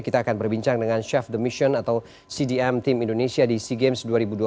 kita akan berbincang dengan chef the mission atau cdm tim indonesia di sea games dua ribu dua puluh tiga